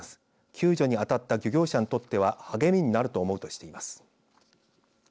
救助に当たった漁業者にとっては励みになると思うとしています。